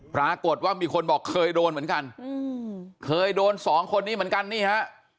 ปรากฏว่ามีคนบอกเคยโดนเหมือนกันเคยโดนสองคนนี้เหมือนกันนี่ฮะ